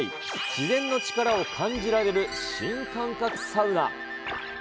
自然の力を感じられる新感覚サウナ。